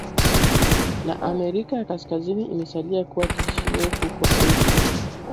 na Amerika ya Kaskazini imesalia kuwa tishio huko Asia